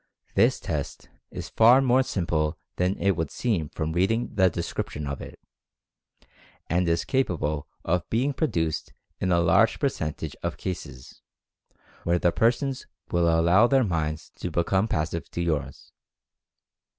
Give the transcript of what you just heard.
This test is far more simple than would seem from reading the description of it, and is capable of being produced in a large percentage of cases, where the persons will allow their minds to be come passive to yours.